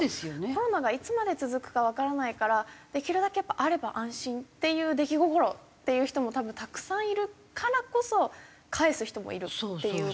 コロナがいつまで続くかわからないからできるだけやっぱあれば安心っていう出来心っていう人も多分たくさんいるからこそ返す人もいるっていう。